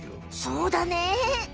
そうだね。